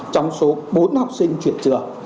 trong số bốn học sinh chuyển trường